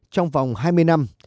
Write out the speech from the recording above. trong vòng hai mươi năm